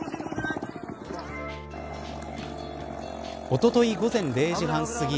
おととい午前０時半すぎ